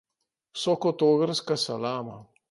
So kot ogrska salama.